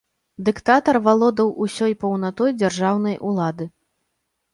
Дыктатар валодаў усёй паўнатой дзяржаўнай улады.